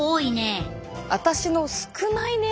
私の少ないね。